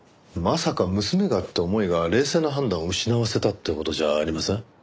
まさか娘がって思いが冷静な判断を失わせたって事じゃありません？